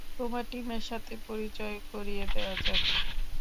তোমার টিমের সাথে পরিচয় করিয়ে দেওয়া যাক।